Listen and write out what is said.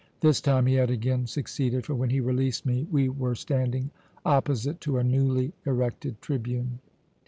This time he had again succeeded; for when he released me we were standing opposite to a newly erected tribune.